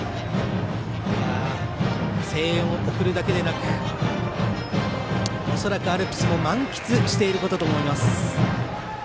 声援を送るだけでなく恐らく、アルプスも満喫していることだと思います。